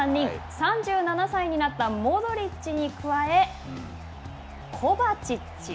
３７歳になったモドリッチに加え、コバチッチ。